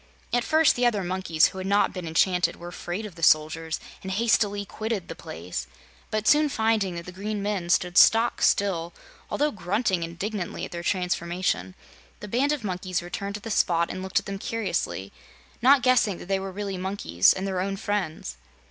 At first, the other monkeys who had not been enchanted were afraid of the soldiers, and hastily quitted the place; but soon finding that the great men stood stock still, although grunting indignantly at their transformation, the band of monkeys returned to the spot and looked at them curiously, not guessing that they were really monkeys and their own friends.